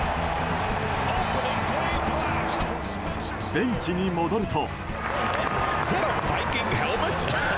ベンチに戻ると。